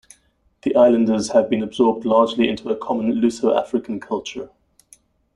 The islanders have been absorbed largely into a common Luso-African culture.